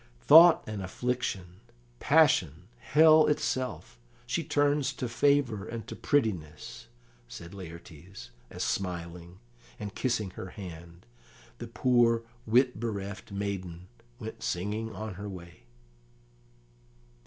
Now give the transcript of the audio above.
"Thought and affliction, passion, hell itself, she turns to favour and to prettiness," said Laertes, as smiling, and kissing her hand, the poor wit bereft maiden went singing on her way.